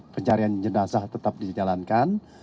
pencarian jenazah tetap dijalankan